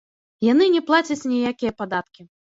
Яны не плацяць ніякія падаткі.